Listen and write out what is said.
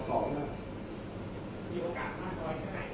แต่ว่าไม่มีปรากฏว่าถ้าเกิดคนให้ยาที่๓๑